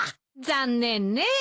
残念ねえ。